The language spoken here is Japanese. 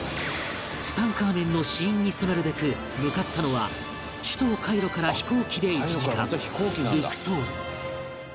ツタンカーメンの死因に迫るべく向かったのは首都カイロから飛行機で１時間ルクソール